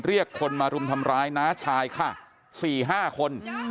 เรียกคนมารุมทำร้ายน้าชายค่ะ๔๕คน